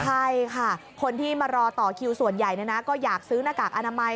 ใช่ค่ะคนที่มารอต่อคิวส่วนใหญ่ก็อยากซื้อหน้ากากอนามัย